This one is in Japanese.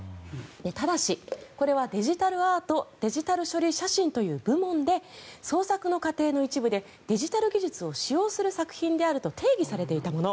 ただし、これはデジタルアート・デジタル処理写真という部門で創作の過程の一部でデジタル技術を使用する作品であると定義されていたもの。